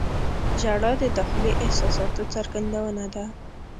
• ژړا د داخلي احساساتو څرګندونه ده.